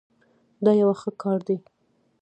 دا یو ښه کار دی.